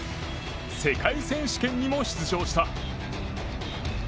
世界選手権にも出場した。